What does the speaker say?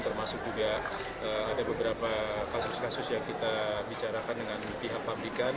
termasuk juga ada beberapa kasus kasus yang kita bicarakan dengan pihak pabrikan